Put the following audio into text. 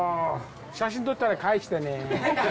写真撮ったら返してね。